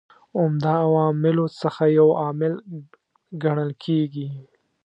عمده عواملو څخه یو عامل کڼل کیږي.